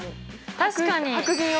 確かに。